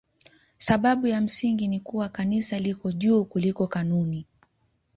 Sababu ya msingi ni kuwa Kanisa liko juu kuliko kanuni.